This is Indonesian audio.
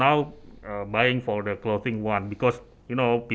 tapi sekarang membeli makanan untuk makanan